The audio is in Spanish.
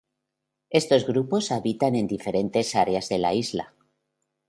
Estos grupos habitan en diferentes áreas de la isla.